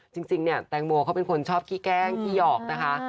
จริงเนี่ยแตงโมเขาเป็นคนชอบขี้แกล้งขี้หยอกนะคะ